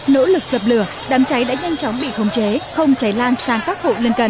nỗ lực dập lửa đám cháy đã nhanh chóng bị khống chế không cháy lan sang các hộ lân cận